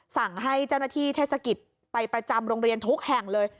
สั่งให้เจ้าหน้าที่เทศกิจไปประจำโรงเรียนทุกแห่งเลย